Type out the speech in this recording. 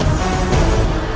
aku akan menangkan gusti ratu